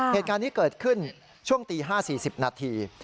เหตุการณ์นี้เกิดขึ้นช่วงตี๕๔๐นาที